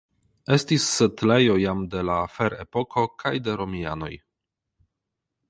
Estis setlejo jam de la Ferepoko kaj de romianoj.